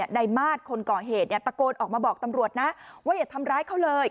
ในมาตรคนก่อเหตุตะโกนออกมาบอกตำรวจนะว่าอย่าทำร้ายเขาเลย